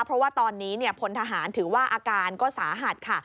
เพราะว่าตอนนี้พลทหารถือว่าอาการก็สาหัสค่ะ